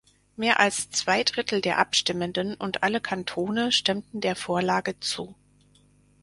Mehr als zwei Drittel der Abstimmenden und alle Kantone stimmten der Vorlage zu.